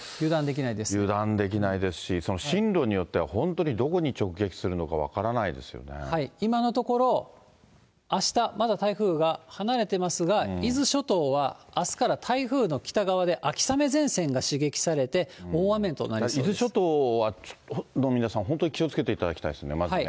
油断できないですし、進路によっては、本当にどこに直撃する今のところ、あした、まだ台風が離れてますが、伊豆諸島はあすから台風の北側で秋雨前線が刺激されて、伊豆諸島の皆さんは本当、気をつけていただきたいですね、まずね。